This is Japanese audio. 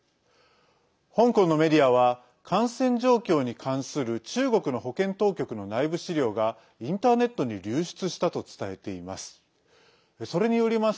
香港のメディアは感染状況に関する中国の保健当局の内部資料がインターネットに流出したと伝えています。